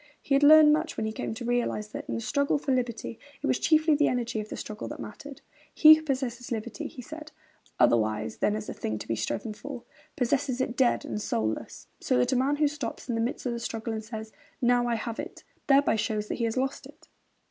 He had learned much when he came to realise that, in the struggle for liberty, it was chiefly the energy of the struggle that mattered. 'He who possesses liberty,' he said, 'otherwise than as a thing to be striven for, possesses it dead and soulless.... So that a man who stops in the midst of the struggle and says, "Now I have it," thereby shows that he has lost it.'